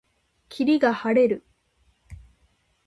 霧が晴れる。